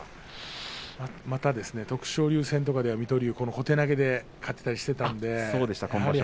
また徳勝龍戦とかでは水戸龍は小手投げで勝ったりしていたので。